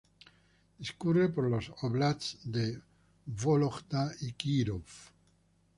Discurre por los "óblasts" de Vólogda y Kírov.